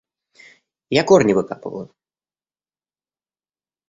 Я корни выкапываю.